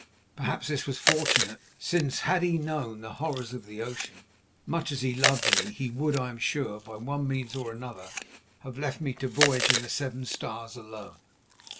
Perhaps this was fortunate, since had he known the horrors of the ocean, much as he loved me, he would, I am sure, by one means or another, have left me to voyage in the Seven Stars alone.